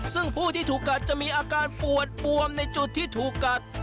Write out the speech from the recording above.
ซึ่งผู้ที่ถูกกัดจะมีอาการปวดบวมในจุดที่ถูกกัด